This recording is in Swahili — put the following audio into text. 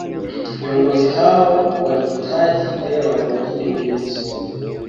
Viongozi hao walihitaji hela kwa ajili ya ujenzi